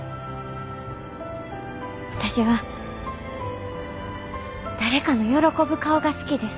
私は誰かの喜ぶ顔が好きです。